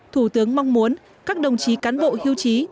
thủ tướng mong muốn các đồng chí cán bộ hưu trí